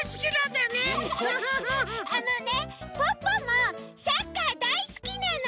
ポッポもサッカーだいすきなの！